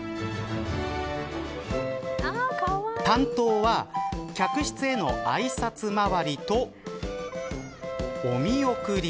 担当は客室へのあいさつ回りとお見送り。